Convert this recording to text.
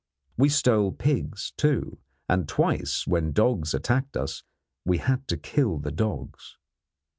We stole pigs, too, and twice when dogs attacked us we had to kill the dogs.